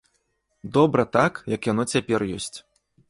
Добра так, як яно цяпер ёсць.